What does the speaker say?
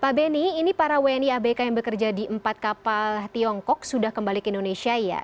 pak beni ini para wni abk yang bekerja di empat kapal tiongkok sudah kembali ke indonesia ya